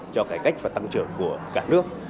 cho cải cách và tăng trưởng của cả nước